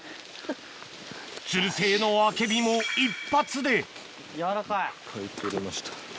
・つる性のアケビも一発で・やわらかい・・いっぱい採れました・